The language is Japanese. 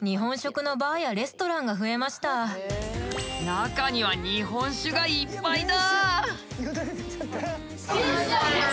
中には日本酒がいっぱいだ。